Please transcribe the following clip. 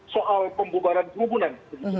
soal pembubaran kerumunan